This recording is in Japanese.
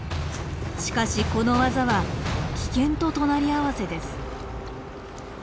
しかしこの技は危険と隣り合わせです。